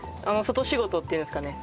外仕事っていうんですかね。